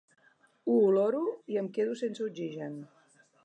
Ho oloro i em quedo sense oxigen.